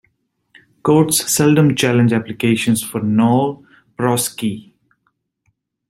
Courts seldom challenge applications for "nolle prosequi".